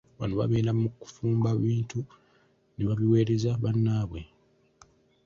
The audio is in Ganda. Bano babeera mu kufumba bintu ne babiweereza bannaabwe.